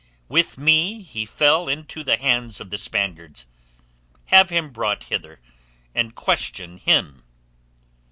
With me he fell into the hands of the Spaniards. Have him brought hither, and question him."